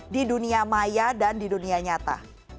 di dunia maya dan di dunia nyata